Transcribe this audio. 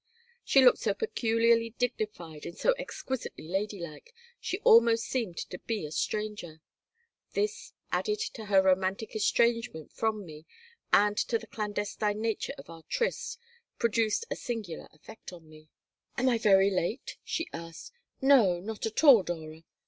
She looked so peculiarly dignified and so exquisitely lady like she almost seemed to be a stranger. This, added to her romantic estrangement from me and to the clandestine nature of our tryst, produced a singular effect upon me. "Am I very late?" she asked "No. Not at all, Dora!"